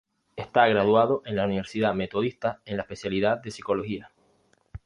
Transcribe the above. Está graduado en la Universidad Metodista en la especialidad de psicología.